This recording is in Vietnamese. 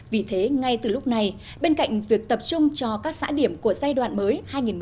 vì thế ngay từ lúc này bên cạnh việc tập trung cho các xã điểm của giai đoạn mới hai nghìn một mươi sáu hai nghìn một mươi bảy